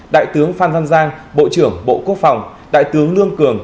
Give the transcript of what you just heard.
đại tướng phan văn giang bộ trưởng bộ quốc phòng đại tướng lương cường